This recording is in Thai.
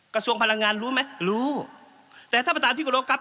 กระทรวงพลังงานรู้ไหมรู้แต่ท่านประธานที่กรบครับ